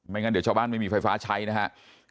งั้นเดี๋ยวชาวบ้านไม่มีไฟฟ้าใช้นะครับ